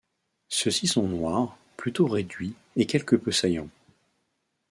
Ceux-ci sont noirs, plutôt réduits et quelque peu saillants.